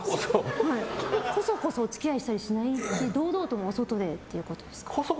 こそこそお付き合いしないで堂々とお外でということですか？